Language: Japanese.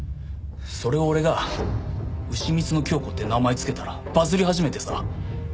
それを俺がうしみつのキョウコって名前付けたらバズり始めてさ。